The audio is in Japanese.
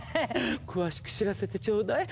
詳しく知らせてちょうだい。